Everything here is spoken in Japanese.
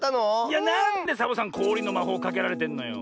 いやなんでサボさんこおりのまほうかけられてんのよ。